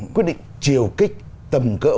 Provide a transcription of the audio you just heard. quyết định chiều kích tầm cỡ